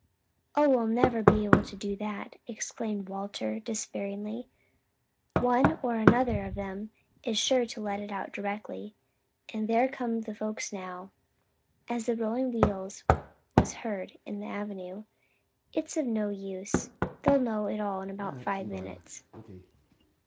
"Oh we'll never be able to do that!" exclaimed Walter, despairingly, "one or another of 'em is sure to let it out directly. And there come the folks now," as the rolling of wheels was heard in the avenue. "It's of no use; they'll know all about it in five minutes."